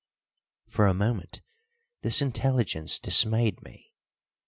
For a moment this intelligence dismayed me.